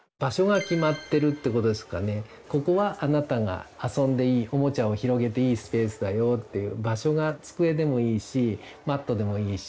「ここはあなたが遊んでいいおもちゃを広げていいスペースだよ」っていう場所が机でもいいしマットでもいいし。